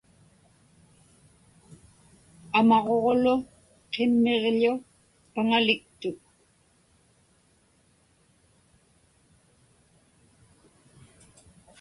Amaġuġlu qimmiġḷu paŋaliktuk.